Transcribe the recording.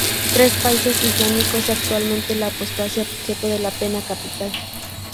Tres países islámicos es actualmente la apostasía objeto de la pena capital.